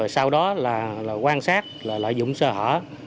sau đó là quan sát lợi dụng sơ hở